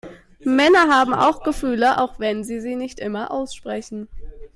Männer haben auch Gefühle, auch wenn sie sie nicht immer aussprechen.